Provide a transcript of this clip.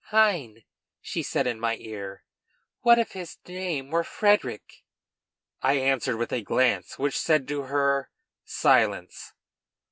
"Hein?" she said in my ear, "what if his name were Frederic?" I answered with a glance, which said to her: "Silence!"